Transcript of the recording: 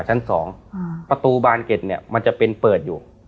ชั้นสองประตูบานเก็ตเนี่ยมันจะเป็นเปิดอยู่